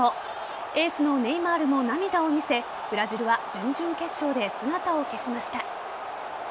エースのネイマールも涙を見せブラジルは準々決勝で姿を消しました。